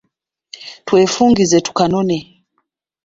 Twefungize tukanone.